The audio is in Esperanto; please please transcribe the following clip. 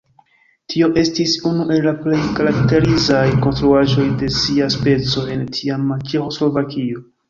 Tio estis unu el la plej karakterizaj konstruaĵoj de sia speco en tiama Ĉeĥoslovakio.